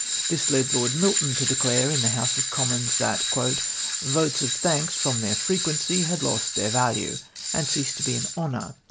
This led Lord ]\Iilton to declare in the House of Com mons, that "• votes of thanks, from their ii'equency, had lost their value, and ceased to be an honour.